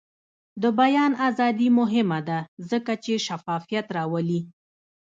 د بیان ازادي مهمه ده ځکه چې شفافیت راولي.